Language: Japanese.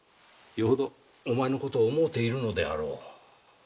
よほどお前の事を思うているのであろう。